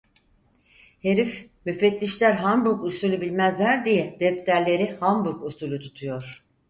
Herif, müfettişler Hamburg usulü bilmezler diye defterleri Hamburg usulü tutuyor.